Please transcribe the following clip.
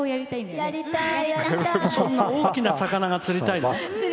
そんな大きな魚が釣りたいの？